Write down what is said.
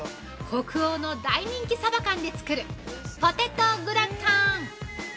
北欧で大人気サバ缶で作るポテトグラタン。